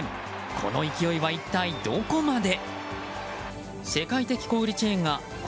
この勢いは一体どこまで？